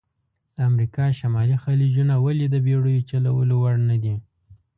د امریکا شمالي خلیجونه ولې د بېړیو چلول وړ نه دي؟